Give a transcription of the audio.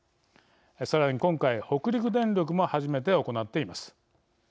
さらに今回北陸電力も初めて行っています。